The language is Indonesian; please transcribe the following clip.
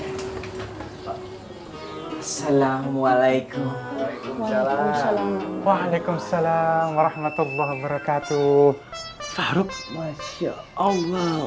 assalamualaikum waalaikumsalam waalaikumsalam warahmatullah wabarakatuh farouk masya allah